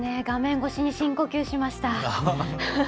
画面越しに深呼吸しました。